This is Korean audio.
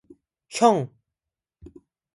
형!